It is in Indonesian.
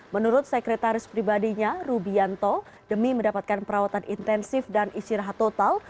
menurut sekretaris pribadinya rubianto demi mendapatkan perawatan intensif dan istirahat total